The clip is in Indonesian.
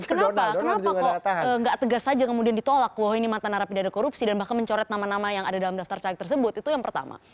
kenapa kenapa kok nggak tegas saja kemudian ditolak bahwa ini mantan narapidana korupsi dan bahkan mencoret nama nama yang ada dalam daftar caleg tersebut itu yang pertama